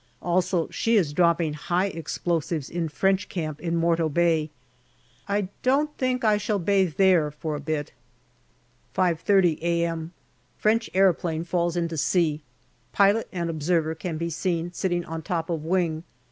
Also she is dropping high explosives in French camp in Morto Bay. I don't think I shall bathe there for a bit. 5.30 a.m. French aeroplane falls into sea. Pilot and observer can be seen sitting on top of wing.